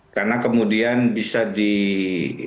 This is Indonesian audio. karena kemudian bisa disalahpahami dan berisiko dianggap membocorkan